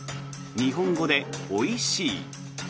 日本語で「おいしい。」。